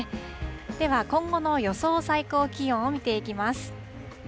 では、今後の予想最高気温を見ていきます。